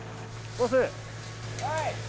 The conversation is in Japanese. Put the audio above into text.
はい。